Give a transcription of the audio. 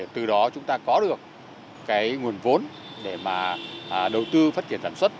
từ đó chúng ta có được nguồn vốn để đầu tư phát triển sản xuất